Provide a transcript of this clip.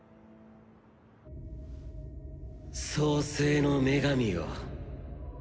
創世の女神よ